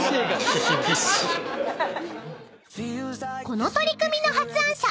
［この取り組みの発案者